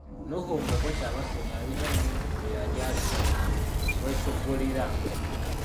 Nuhu Mbogo Kyabasinga yalina emmundu gyeyali atuumye Kwesoggolera.